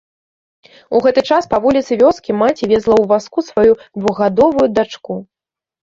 У гэты час па вуліцы вёскі маці везла ў вазку сваю двухгадовую дачку.